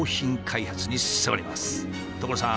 所さん！